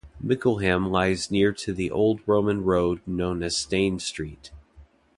Mickleham lies near to the old Roman road known as Stane Street.